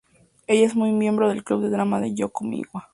Ella es una miembro del club de drama con Yōko y Miwa.